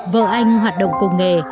vợ anh hoạt động cùng nghề